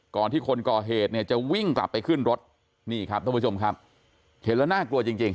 ก่อนที่คนก่อเหตุเนี่ยจะวิ่งกลับไปขึ้นรถนี่ครับท่านผู้ชมครับเห็นแล้วน่ากลัวจริงจริง